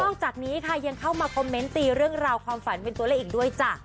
จากนี้ค่ะยังเข้ามาคอมเมนต์ตีเรื่องราวความฝันเป็นตัวเลขอีกด้วยจ้ะ